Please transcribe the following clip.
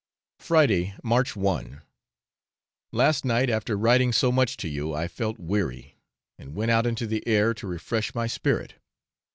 Friday, March 1. Last night after writing so much to you I felt weary, and went out into the air to refresh my spirit.